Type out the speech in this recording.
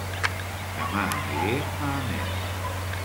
Dema aniré a Amer